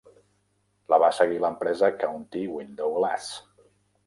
La va seguir l'empresa County Window Glass.